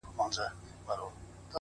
خپل ژوند په ارزښتونو ودروئ؛